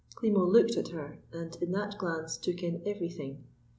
Klimo looked at her, and in that glance took in everything.